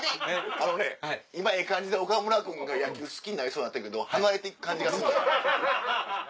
あのね今ええ感じで岡村君が野球好きになりそうになってんけど離れていく感じがする。